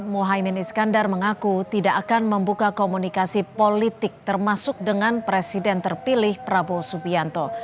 mohaimin iskandar mengaku tidak akan membuka komunikasi politik termasuk dengan presiden terpilih prabowo subianto